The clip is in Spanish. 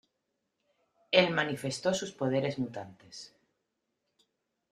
Él manifestó sus poderes mutantes.